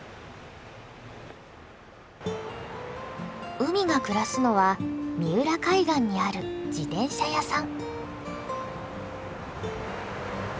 うみが暮らすのは三浦海岸にある自転車屋さん。